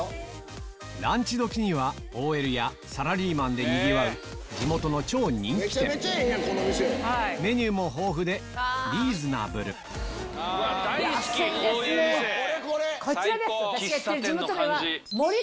ランチ時にはＯＬやサラリーマンでにぎわうメニューも豊富でリーズナブルこちらです。